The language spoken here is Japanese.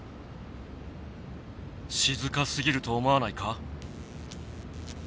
しずかすぎると思わないか。